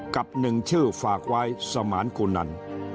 กับหนึ่งชื่อฝากไว้สมานกุนัน